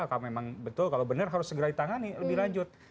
apakah memang betul kalau benar harus segera ditangani lebih lanjut